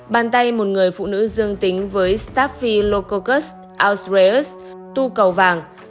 bàn tay một người phụ nữ dương tính với staphylococcus ausreus tu cầu vàng